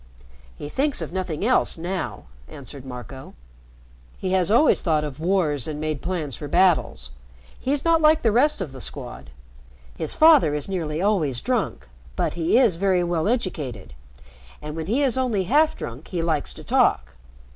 "He thinks of nothing else now," answered Marco. "He has always thought of wars and made plans for battles. He's not like the rest of the Squad. His father is nearly always drunk, but he is very well educated, and, when he is only half drunk, he likes to talk.